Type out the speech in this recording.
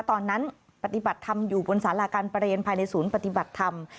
ปฏิบัติธรรมอยู่บนสาราการประเรียนภายในศูนย์ปฏิบัติธรรม